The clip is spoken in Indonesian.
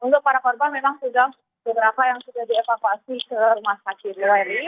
dan untuk para korban memang sudah beberapa yang sudah dievakuasi ke rumah sakit